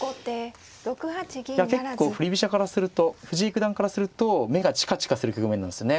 いや結構振り飛車からすると藤井九段からすると目がチカチカする局面なんですよね。